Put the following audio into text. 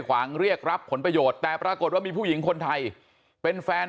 ขวางเรียกรับผลประโยชน์แต่ปรากฏว่ามีผู้หญิงคนไทยเป็นแฟน